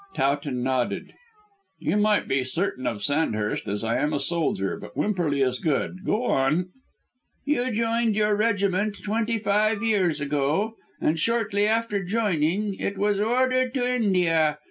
Towton nodded. "You might be certain of Sandhurst, as I am a soldier, but Wimperly is good. Go on." "You joined your regiment twenty five years ago, and shortly after joining it was ordered to India.